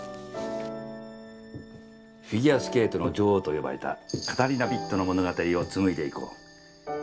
フィギュアスケートの女王と呼ばれたカタリナビットの物語を紡いでいこう。